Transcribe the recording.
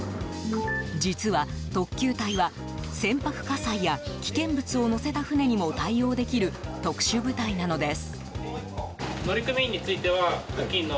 実は特救隊は、船舶火災や危険物を載せた船にも対応できる特殊部隊なのです。